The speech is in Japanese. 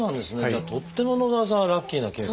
じゃあとっても野澤さんはラッキーなケースだった。